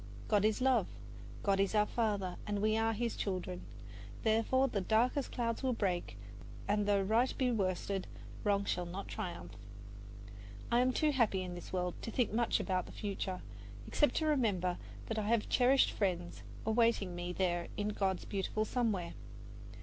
God is love, God is our Father, we are His children; therefore the darkest clouds will break and though right be worsted, wrong shall not triumph. I am too happy in this world to think much about the future, except to remember that I have cherished friends awaiting me there in God's beautiful Somewhere.